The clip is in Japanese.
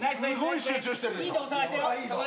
・いいとこ探してよ。